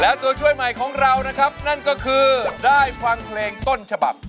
และตัวช่วยใหม่ของเรานะครับนั่นก็คือได้ฟังเพลงต้นฉบับ